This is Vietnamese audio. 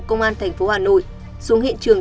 công an tp hà nội xuống hiện trường